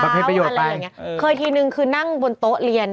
ประโยชน์ไปอะไรอย่างนี้เคยทีนึงคือนั่งกับโต๊ะเรียน